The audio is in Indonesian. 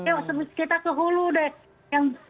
yuk kita sehulu deh